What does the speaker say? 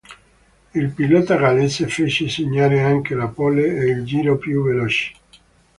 Il pilota gallese fece segnare anche la "pole" e il giro più veloce.